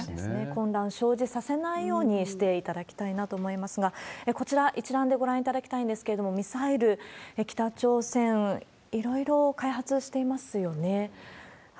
混乱生じさせないようにしていただきたいなと思いますが、こちら、一覧でご覧いただきたいんですけれども、ミサイル、北朝鮮、いろいろ開発していますよね。